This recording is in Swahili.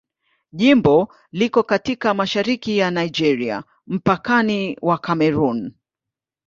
Jimbo liko katika mashariki ya Nigeria, mpakani wa Kamerun.